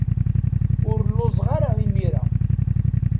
Ur lluẓeɣ ara imir-a.